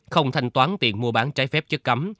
không thanh toán tiền mua bán trái phép này